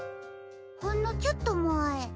ほんのちょっとまえ。